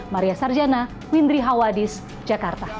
maria sarjana windri hawadis jakarta